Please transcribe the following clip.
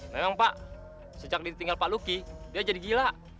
memang pak sejak ditinggal pak luki dia jadi gila